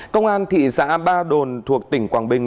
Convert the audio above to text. công an thị xã ba đồn thuộc tỉnh quảng bình